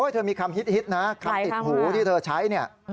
เธอมีคำฮิตนะคำติดหูที่เธอใช้เนี่ย